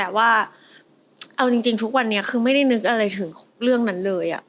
แต่ว่าเอาจริงทุกวันนี้คือไม่ได้นึกอะไรถึงเรื่องนั้นเลย